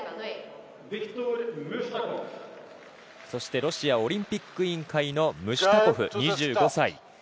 そしてロシアオリンピック委員会のムシュタコフ、２５歳。